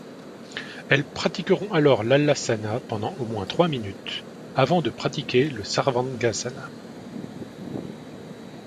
Elles pratiqueront alors l'Halasana pendant au moins trois minutes avant de pratiquer le Sarvangasana.